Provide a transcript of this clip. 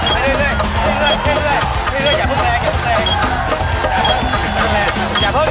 ไปเรื่อยเค็มเลย